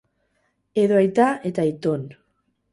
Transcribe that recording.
Edo aita eta aiton.